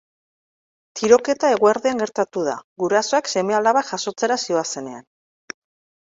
Tiroketa eguerdian gertatu da gurasoak seme-alabak jasotzera zihoazenean.